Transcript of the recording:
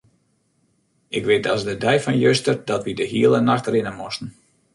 Ik wit as de dei fan juster dat wy de hiele nacht rinne moasten.